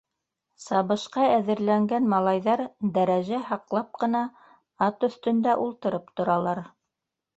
Сабышҡа әҙерләнгән малайҙар дәрәжә һаҡлап ҡына ат өҫтөндә ултырып торалар.